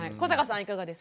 いかがですか？